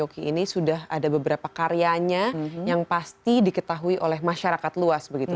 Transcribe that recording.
joki ini sudah ada beberapa karyanya yang pasti diketahui oleh masyarakat luas begitu